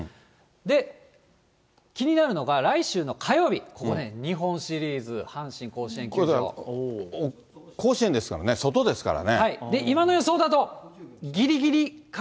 で、気になるのが来週の火曜日、ここね、日本シリーズ、甲子園ですからね、外ですか今の予想だと、大丈夫？